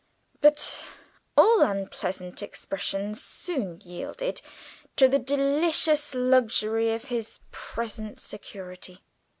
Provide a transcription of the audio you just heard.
But all unpleasant impressions soon yielded to the delicious luxury of his present security.